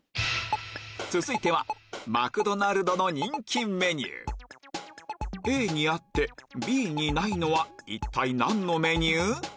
続いてはマクドナルドの人気メニューＡにあってＢにないのは一体何のメニュー？